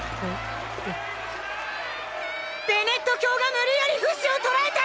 ベネット教が無理矢理フシを捕らえた！